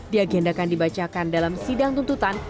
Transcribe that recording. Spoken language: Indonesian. diagendakan dibacakan dalam sidang tuntutan